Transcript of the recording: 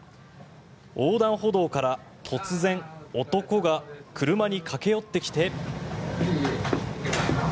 横断歩道から突然男が車に駆け寄ってきて。